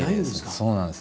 そうなんです。